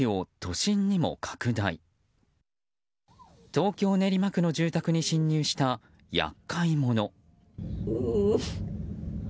東京・練馬区の住宅に侵入した厄介者。